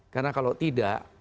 karena kalau tidak